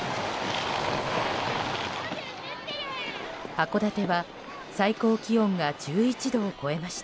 函館は最高気温が１１度を超えました。